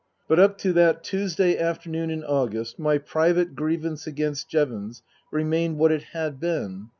But up to that Tuesday afternoon in August my private grievance against Jevons remained what it had been.